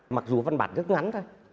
mặc dù văn bản rất ngắn thôi